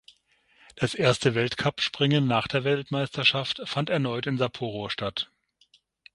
Das erste Weltcup-Springen nach der Weltmeisterschaft fand erneut in Sapporo statt.